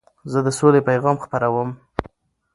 زه د سولي پیغام خپروم.